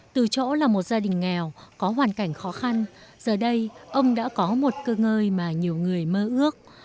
từ chỗ là một gia đình nghèo có hoàn cảnh khó khăn giờ đây ông đã có một cơ ngơi mà nhiều người mơ ước